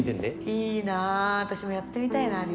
いいな私もやってみたいなＤＪ。